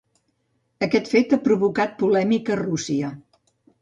Aquest fet ha provocat polèmica a Rússia.